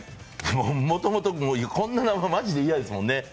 もともと、こんなのはマジで嫌ですもんね。